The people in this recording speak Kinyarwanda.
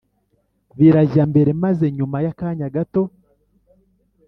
birajya mbere maze nyuma yakanya gato